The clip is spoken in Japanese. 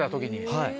はい。